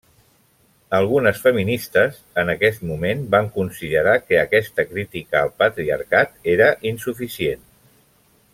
Algunes feministes en aquest moment van considerar que aquesta crítica al patriarcat era insuficient.